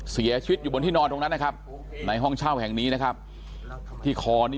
เสียชีวิตอยู่บนที่นอนตรงนั้นนะครับในห้องเช่าแห่งนี้นะครับที่คอนี่